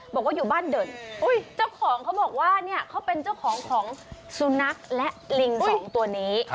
บอกว่าอยู่บ้านเด่นเจ้าของเขาบอกว่าเนี่ยเขาเป็นเจ้าของของสุนัขและลิงสองตัวนี้